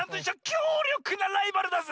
きょうりょくなライバルだぜ！